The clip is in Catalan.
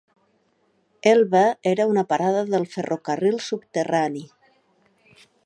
Elba era una parada del ferrocarril subterrani.